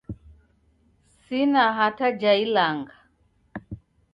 Sina hata ja ilanga!